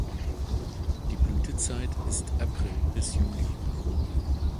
Die Blütezeit ist April bis Juli.